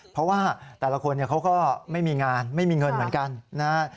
เพราะว่าแต่ละคนเขาก็ไม่มีงานไม่มีเงินเหมือนกันนะฮะ